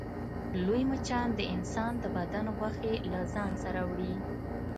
لوی مچان د انسان د بدن غوښې له ځان سره وړي